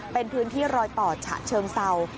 เป็นพื้นที่รอยต่อฉะเชิงเศร้า